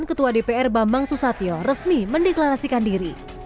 ketua dpr bambang susatyo resmi mendeklarasikan diri